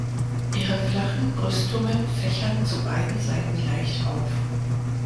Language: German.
Ihre flachen Brüstungen fächern zu beiden Seiten leicht auf.